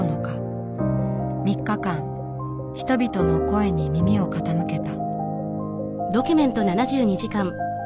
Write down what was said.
３日間人々の声に耳を傾けた。